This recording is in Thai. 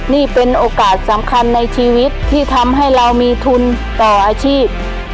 นี่เป็นโอกาสสำคัญในชีวิตที่ทำให้เรามีทุนต่ออาชีพ